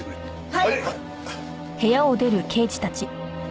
はい。